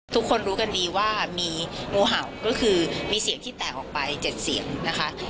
ทุกคนรู้กันดีว่ามีงูเห่าก็คือมีเสียงที่แตกออกไป๗เสียงนะคะ